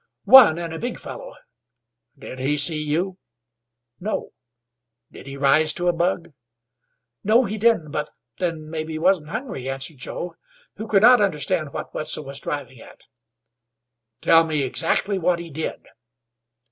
"One, and a big fellow." "Did he see you?" "No." "Did he rise to a bug?" "No, he didn't; but then maybe he wasn't hungry" answered Joe, who could not understand what Wetzel was driving at. "Tell me exactly what he did."